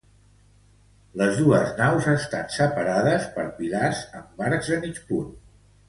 Les dos naus estan separades per pilars amb arcs de mig punt.